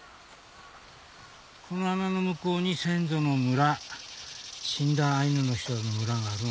この穴の向こうに先祖の村死んだアイヌの人の村があるの。